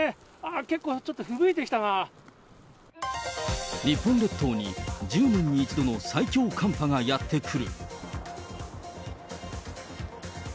結構、日本列島に、１０年に一度の最強寒波がやって来る。